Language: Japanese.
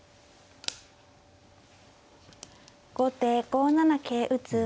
後手５七桂打。